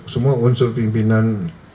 semua unsur pimpinan